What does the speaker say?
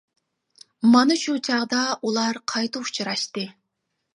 مانا شۇ چاغدا ئۇلار قايتا ئۇچراشتى.